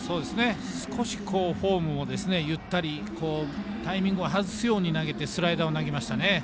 少しフォームもゆったりタイミングをはずすように投げてスライダーを投げましたね。